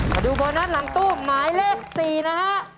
มาดูโบนัสหลังตู้หมายเลข๔นะฮะ